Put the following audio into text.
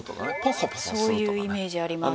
そういうイメージあります。